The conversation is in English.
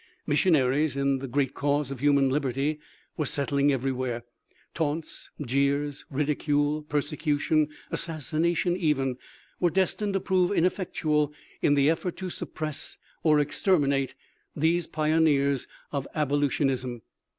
Mis sionaries in the great cause of human liberty were settling everywhere. Taunts, jeers, ridicule, perse cution, assassination even, were destined to prove ineffectual in the effort to suppress or exterminate these pioneers of Abolitionism.